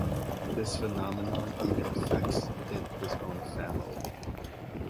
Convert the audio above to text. This phenomenon even affected his own family.